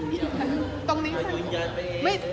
คนกรุงมาอเทศ